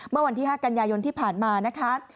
เมื่อวันที่๕กันยายนที่ผ่านมานะคะ